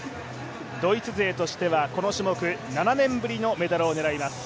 ドイツ勢としてはこの種目７年ぶりのメダルを狙います。